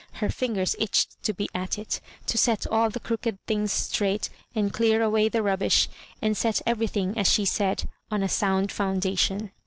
Her fingers itched to be at it — to set all the crooked things straight and dear away the rubbish, and set everything, as she said, on a sound foundation.